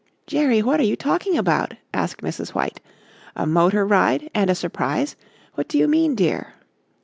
"Jerry, what are you talking about?" asked Mrs. White; "a motor ride and a surprise; what do you mean, dear?"